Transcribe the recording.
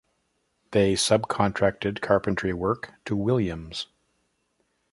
They sub-contracted carpentry work to Williams.